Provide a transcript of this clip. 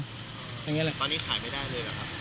ตอนนี้ขายไม่ได้เลยหรือครับ